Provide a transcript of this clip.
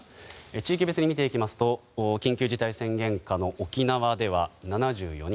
地域別に見ていきますと緊急事態宣言下の沖縄では７４人。